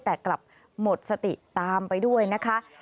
แต่กลับหมดสติตามไปด้วยนะคะ